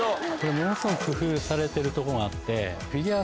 ものすごく工夫されてるとこがあって。